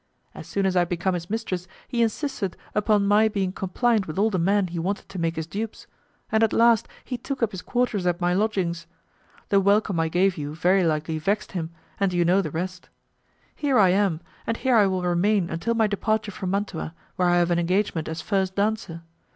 As soon as I had become his mistress, he insisted upon my being compliant with all the men he wanted to make his dupes, and at last he took up his quarters at my lodgings. The welcome I gave you very likely vexed him, and you know the rest. Here I am, and here I will remain until my departure for Mantua where I have an engagement as first dancer.